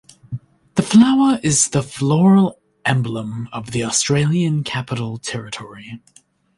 The flower is the floral emblem of the Australian Capital Territory.